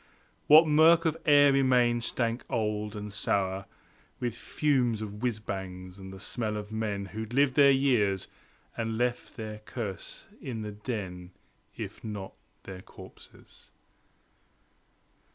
What murk of air remained stank old, and sour With fumes of whizz bangs, and the smell of men Who'd lived there years, and left their curse in the den, If not their corpses.